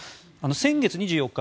先月２４日